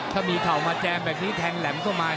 ถ้ามีเข่ามาแจมแบบนี้แทงแหลมเข้ามา